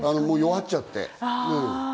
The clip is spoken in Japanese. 弱っちゃって。